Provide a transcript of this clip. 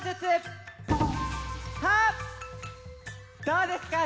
どうですか？